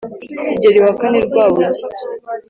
kigeli wa kane rwabugi